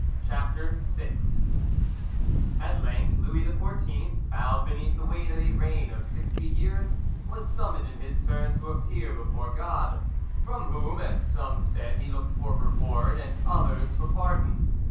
CHAPTER VI At length Louis XIV, bowed beneath the weight of a reign of sixty years, was summoned in his turn to appear before God, from whom, as some said, he looked for reward, and others for pardon.